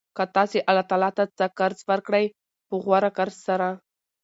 كه تاسي الله ته څه قرض ورکړئ په غوره قرض سره